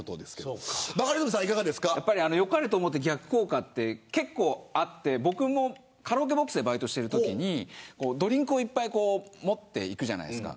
バカリズムさんはよかれと思って逆効果って結構あって僕もカラオケボックスでバイトをしているときにドリンクをいっぱい持っていくじゃないですか。